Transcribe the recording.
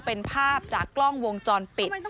เป็นภาพจากกล้องวงจรปิด